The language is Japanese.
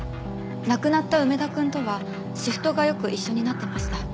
亡くなった梅田くんとはシフトがよく一緒になってました。